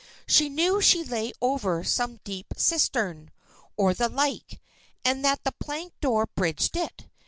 She knew she lay over some deep cistern, or the like, and that the plank door bridged it.